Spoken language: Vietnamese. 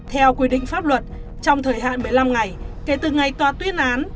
theo quy định pháp luật trong thời hạn một mươi năm ngày kể từ ngày tòa tuyên án